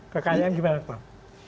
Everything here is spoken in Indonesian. kekayaan gimana pak